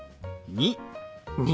２。